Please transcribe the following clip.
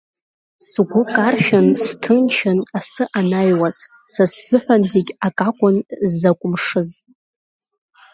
Сгәы каршәын, сҭынчын асы анаҩуаз, са сзыҳәан зегь акакәын закә мшыз.